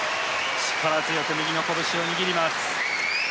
力強く右の拳を握ります。